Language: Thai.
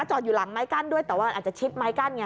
จอดอยู่หลังไม้กั้นด้วยแต่ว่าอาจจะชิดไม้กั้นไง